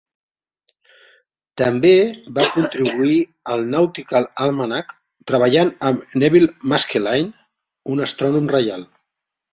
També va contribuir al "Nautical Almanac", treballant amb Nevil Maskelyne, un astrònom reial.